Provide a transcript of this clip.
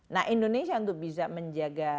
nah indonesia untuk bisa menjaga